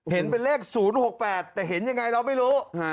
เห็นเป็นเลข๐๖๘แต่เห็นยังไงเราไม่รู้